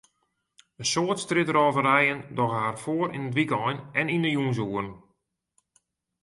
In soad strjitrôverijen dogge har foar yn it wykein en yn de jûnsoeren.